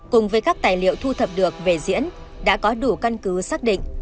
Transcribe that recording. cùng với các tài liệu thu thập được về diễn đã có đủ căn cứ xác định